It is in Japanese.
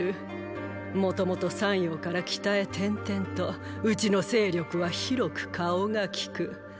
もともと山陽から北へ点々とうちの勢力は広く顔が利く。